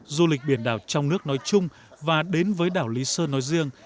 du lịch biển đảo trong nước nói chung và đến với đảo lý sơn nói riêng